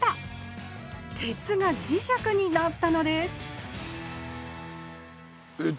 鉄が磁石になったのですえっ